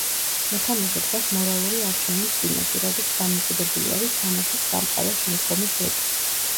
მოთამაშე დგას მორალური არჩევნის წინაშე, რაზეც დამოკიდებული არის თამაშის სამყაროს შემდგომი ბედი.